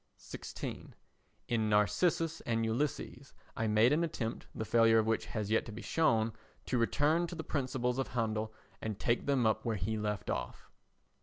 16. In Narcissus and Ulysses I made an attempt, the failure of which has yet to be shown, to return to the principles of Handel and take them up where he left off.